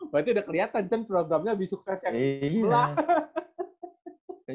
berarti udah kelihatan cun programnya abis sukses yang ke dua